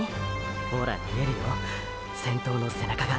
ほら見えるよ先頭の背中が。